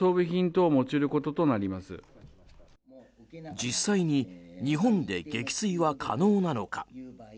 実際に日本で撃墜は可能なのか。